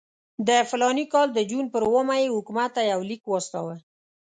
د فلاني کال د جون پر اوومه یې حکومت ته یو لیک واستاوه.